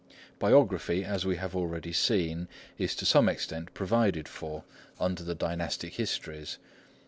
Biography, as we have already seen, is to some extent provided for under the dynastic histories.